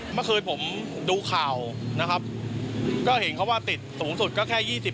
เมื่อคืนผมดูข่าวนะครับก็เห็นเขาว่าติดสูงสุดก็แค่๒๐